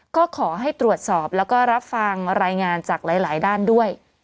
ก็ขอให้ตรวจสอบแล้วก็รับฟังรายงานจากหลายด้านด้วย